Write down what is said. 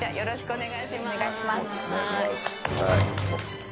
お願いします。